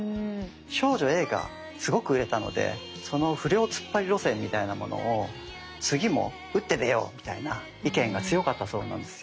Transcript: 「少女Ａ」がすごく売れたのでその不良ツッパリ路線みたいなものを次も打って出ようみたいな意見が強かったそうなんですよ。